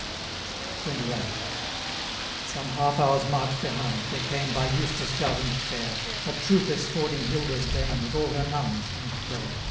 XXVIII. Some half hour's march behind, there came, By Eustace govern'd fair, 810 A troop escorting Hilda's Dame, With all her nuns, and Clare.